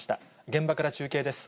現場から中継です。